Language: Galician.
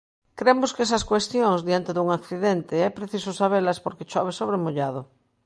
Cremos que esas cuestións, diante dun accidente, é preciso sabelas porque chove sobre mollado.